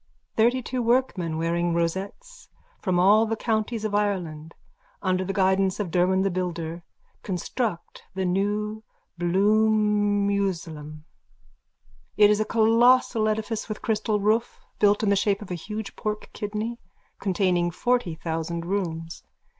_(Thirtytwo workmen, wearing rosettes, from all the counties of Ireland, under the guidance of Derwan the builder, construct the new Bloomusalem. It is a colossal edifice with crystal roof, built in the shape of a huge pork kidney, containing forty thousand rooms.